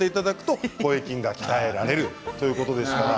声筋が鍛えられるということでした。